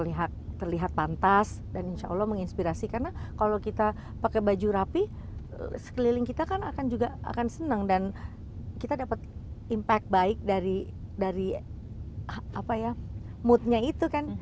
terlihat pantas dan insya allah menginspirasi karena kalau kita pakai baju rapi sekeliling kita kan juga akan senang dan kita dapat impact baik dari moodnya itu kan